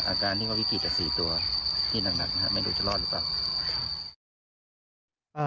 อาการนี่ก็วิกฤตจาก๔ตัวที่หนักนะครับไม่รู้จะรอดหรือเปล่า